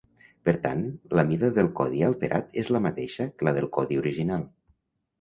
Per tant, la mida del codi alterat és la mateixa que la del codi original.